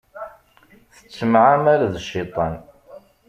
Tettemεamal d cciṭan.